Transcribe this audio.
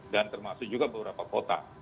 dan termasuk juga beberapa kota